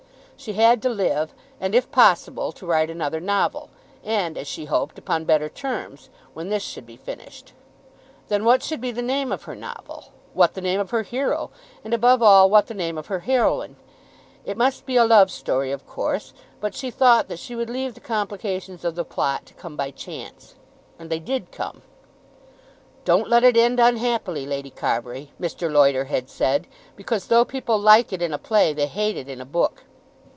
She had to live, and if possible to write another novel, and, as she hoped, upon better terms, when this should be finished. Then what should be the name of her novel; what the name of her hero; and above all what the name of her heroine? It must be a love story of course; but she thought that she would leave the complications of the plot to come by chance, and they did come. "Don't let it end unhappily, Lady Carbury," Mr. Loiter had said, "because though people like it in a play, they hate it in a book.